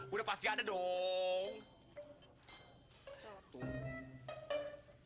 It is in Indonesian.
udah pasti ada dong